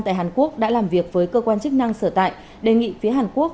tại hàn quốc đã làm việc với cơ quan chức năng sở tại đề nghị phía hàn quốc